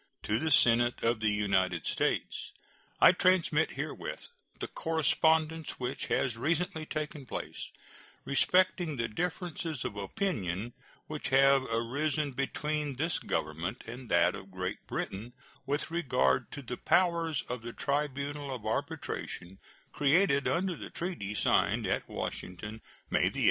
To the Senate of the United States: I transmit herewith the correspondence which has recently taken place respecting the differences of opinion which have arisen between this Government and that of Great Britain with regard to the powers of the tribunal of arbitration created under the treaty signed at Washington May 8, 1871.